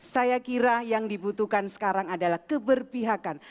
saya kira yang dibutuhkan sekarang adalah keberpihakan